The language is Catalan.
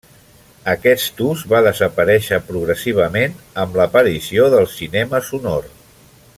Aquest ús va desaparèixer progressivament amb l'aparició del cinema sonor.